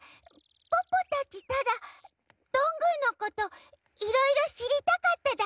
ポッポたちただどんぐーのこといろいろしりたかっただけなの。